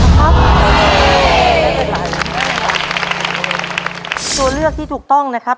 ตัวเลือกที่ถูกต้องนะครับ